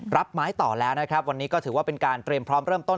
รับไม้ต่อแล้วนะครับวันนี้ก็ถือว่าเป็นการเตรียมพร้อมเริ่มต้น